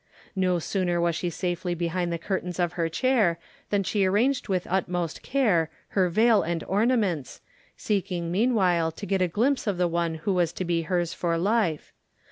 No sooner was she safely behind the curtains of her chair than she arranged with utmost care, her veil and ornaments, seeking meanwhile to get a glimpse of the one who was to be hers for life.